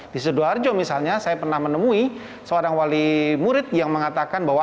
di sidoarjo misalnya saya pernah menemui seorang wali murid yang mengatakan bahwa